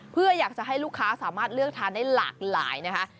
เพื่ออยากจะให้ลูกค้าสามารถเลือกทานได้หลากหลายนะคะ